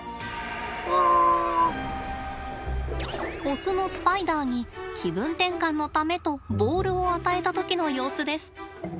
オスのスパイダーに気分転換のためとボールを与えた時の様子です。